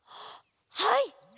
はい！